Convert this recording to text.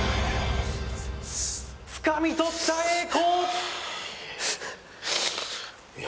つかみ取った栄光！